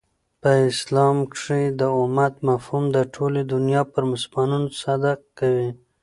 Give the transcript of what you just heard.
په اسلام کښي د امت مفهوم د ټولي دنیا پر مسلمانانو صدق کوي.